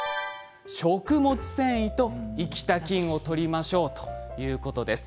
食物繊維と生きた菌をとりましょうということです。